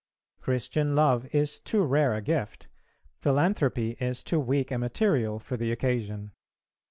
Christian love is too rare a gift, philanthropy is too weak a material, for the occasion.